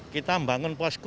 kita membangun posku